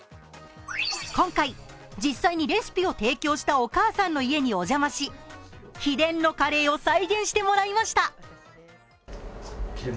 今回、実際にレシピを提供したお母さんのお宅にお邪魔し秘伝のカレーを再現してもらいました。